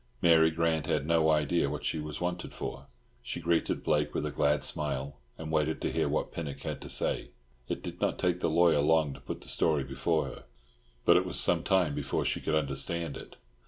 Mary Grant had no idea what she was wanted for. She greeted Blake with a glad smile, and waited to hear what Pinnock had to say. It did not take the lawyer long to put the story before her: but it was some time before she could understand it.